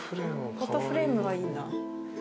フォトフレームがいいな。